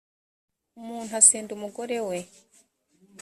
umuntu asenda umugore we